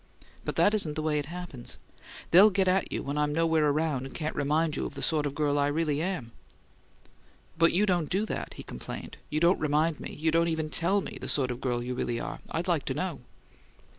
But that isn't the way it happens: they'll get at you when I'm nowhere around and can't remind you of the sort of girl I really am." "But you don't do that," he complained. "You don't remind me you don't even tell me the sort of girl you really are! I'd like to know."